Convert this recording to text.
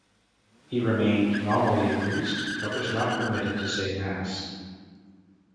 He remained nominally a priest but was not permitted to say Mass.